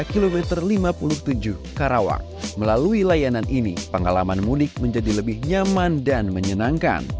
kilometer lima puluh tujuh karawang melalui layanan ini pengalaman mudik menjadi lebih nyaman dan menyenangkan